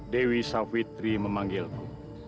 dewi savitri memanggilmu